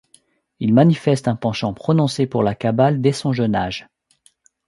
Il manifeste un penchant prononcé pour la Kabbale dès son jeûne âge.